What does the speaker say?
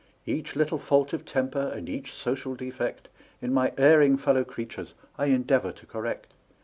Each little fault of temper and each social defect In my erring fellow creatures, I endeavor to correct.